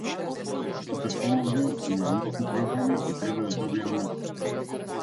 Мојот автомобил има многу проблеми и треба да добијам нов.